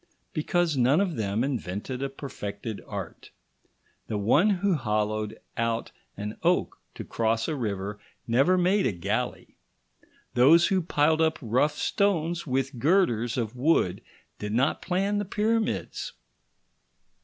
Because none of them invented a perfected art. The one who hollowed out an oak to cross a river never made a galley; those who piled up rough stones with girders of wood did not plan the Pyramids.